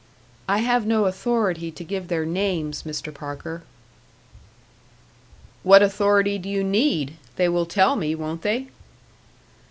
"I have no authority to give their names, Mr. Parker." "What authority do you need? They will tell me, won't they?"